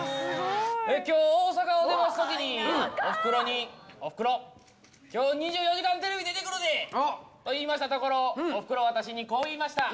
きょう、大阪を出ますときに、お袋に、お袋、きょう、２４時間テレビ出てくるでと言いましたところ、おふくろは、私にこう言いました。